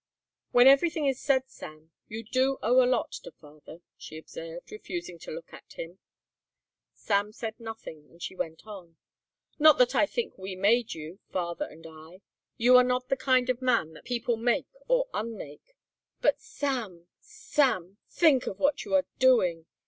"When everything is said, Sam, you do owe a lot to father," she observed, refusing to look at him. Sam said nothing and she went on. "Not that I think we made you, father and I. You are not the kind of man that people make or unmake. But, Sam, Sam, think what you are doing.